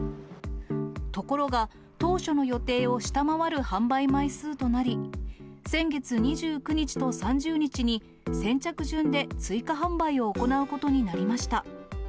ところが、当初の予定を下回る販売枚数となり、先月２９日と３０日に、先着順で追加販売を行うことになりました。